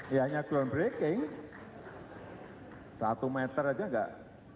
iya hanya groundbreaking satu meter aja enggak